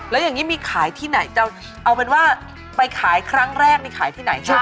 แล้วอย่างนี้มีขายที่ไหนจะเอาเป็นว่าไปขายครั้งแรกนี่ขายที่ไหนคะ